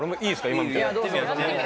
今みたいに。